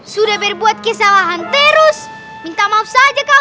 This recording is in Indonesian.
sudah berbuat kesalahan terus